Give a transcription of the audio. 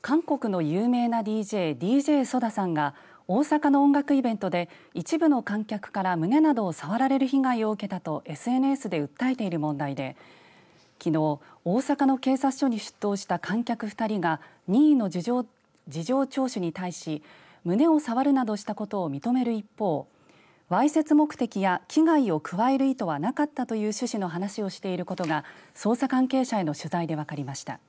韓国の有名なＤＪＤＪＳＯＤＡさんが大阪の音楽イベントで一部の観客から胸などを触られる被害を受けたとＳＮＳで訴えている問題できのう、大阪の警察署に出頭した観客の２人が任意の事情聴取に対し胸を触るなどしたことを認める一方わいせつ目的や危害を加える意図はなかったという趣旨の話をしていることが捜査関係者への取材で分かりました。